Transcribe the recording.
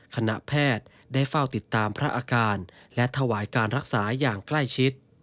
คณะแพทย์ได้เฝ้าติดตามพระอาการและถวายการรักษาอย่างใกล้ชิด